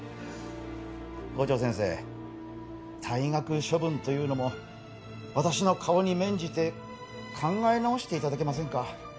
校長先生退学処分というのも私の顔に免じて考え直して頂けませんか？